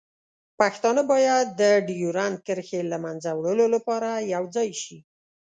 پښتانه باید د ډیورنډ کرښې له منځه وړلو لپاره یوځای شي.